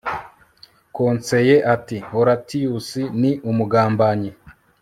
Konseye ati Horatius ni umugambanyi